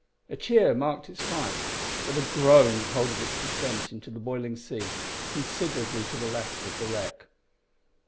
A cheer marked its flight, but a groan told of its descent into the boiling sea, considerably to the left of the wreck.